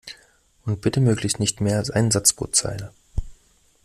Und bitte möglichst nicht mehr als ein Satz pro Zeile!